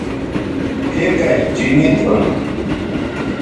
پھیکش چینی دُھن